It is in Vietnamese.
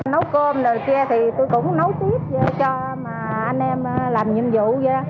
nấu cơm rồi kia thì tôi cũng nấu tiếp cho anh em làm nhiệm vụ